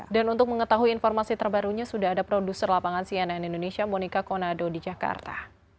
dan untuk mengetahui informasi terbarunya sudah ada produser lapangan cnn indonesia monika konado di jakarta